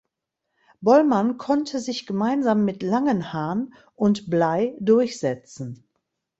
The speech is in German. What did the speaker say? Bollmann konnte sich gemeinsam mit Langenhan und Bley durchsetzen.